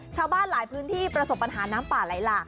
ชาวบ้านหลายพื้นที่ประสบปัญหาน้ำป่าไหลหลาก